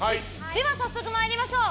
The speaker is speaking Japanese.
早速参りましょう。